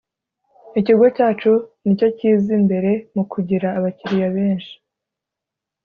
Ikigo cyacu nicyo kiza imbere mukugira abakiriya benshi